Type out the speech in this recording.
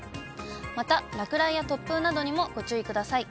また、落雷や突風などにもご注意ください。